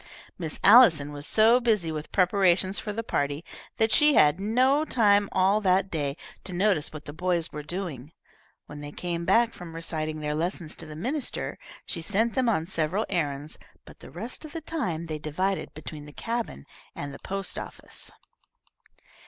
Miss Allison was so busy with preparations for the party that she had no time all that day to notice what the boys were doing. When they came back from reciting their lessons to the minister, she sent them on several errands, but the rest of the time they divided between the cabin and the post office.